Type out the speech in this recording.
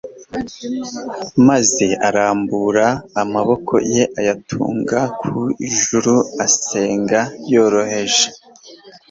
maze arambura amaboko ye ayatunga ku ijuru asenga yoroheje